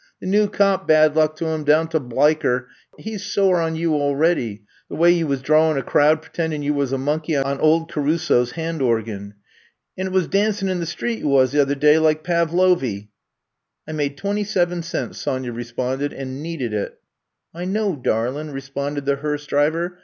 The new cop, bad luck to him, down to Bliker, he 's sore on ye already — the way ye was drawin' a crowd pritindin' ye was a monkey on ould Caruso's hand organ. An 'twas dancin' in the street ye wuz the other day like Pavlovy. '' *^I made twenty seven cents," Sonya re sponded, ^* and needed it. '' *^I know, darlin'," responded the hearse driver.